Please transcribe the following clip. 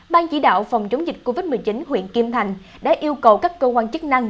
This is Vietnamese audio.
ban chỉ đạo phòng chống dịch covid một mươi chín huyện kim thành đã yêu cầu các cơ quan chức năng